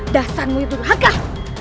dasarmu itu berhakkah